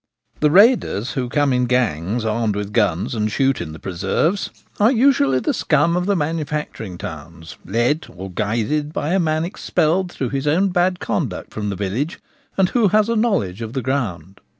The raiders, who come in gangs armed with guns and shoot in the preserves, are usually the scum of manufacturing towns, led or guided by a man ex pelled through his own bad conduct from the village, and who has a knowledge of the ground.